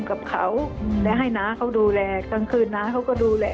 กับเขาและให้น้าเขาดูแลกลางคืนน้าเขาก็ดูแล